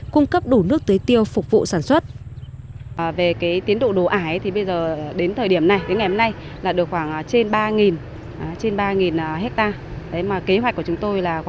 cung cấp đủ nước tưới tiêu phục vụ sản xuất